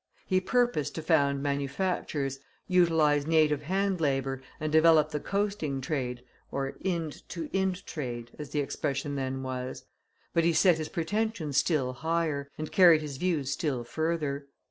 He purposed to found manufactures, utilize native hand labor, and develop the coasting trade, or Ind to Ind trade, as the expression then was; but he set his pretensions still higher, and carried his views still further.